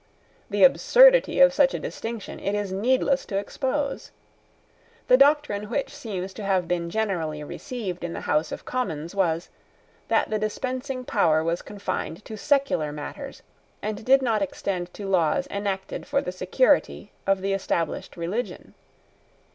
The absurdity of such a distinction it is needless to expose. The doctrine which seems to have been generally received in the House of Commons was, that the dispensing power was confined to secular matters, and did not extend to laws enacted for the security of the established religion.